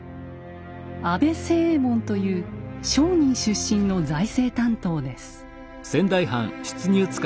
安倍清右衛門という商人出身の財政担当です。